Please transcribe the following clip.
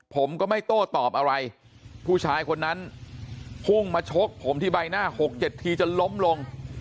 ผมก็ไม่โต้ตอบอะไรผู้ชายคนนั้นพุ่งมาชกผมที่ใบหน้า๖๗ทีจนล้มลง